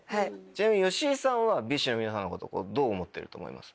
ちなみに吉井さんはＢｉＳＨの皆さんのことどう思ってると思います？